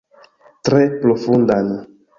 Tre profundan.